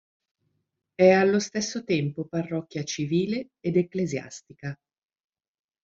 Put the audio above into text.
È allo stesso tempo parrocchia civile ed ecclesiastica.